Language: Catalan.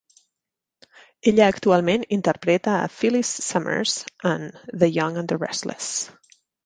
Ella actualment interpreta a Phyllis Summers en "The Young and the Restless".